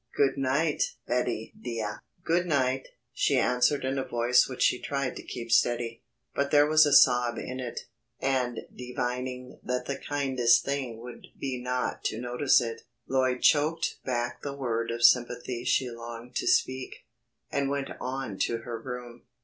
"Good night, Betty deah." "Good night," she answered in a voice which she tried to keep steady, but there was a sob in it, and divining that the kindest thing would be not to notice it, Lloyd choked back the word of sympathy she longed to speak, and went on to her room.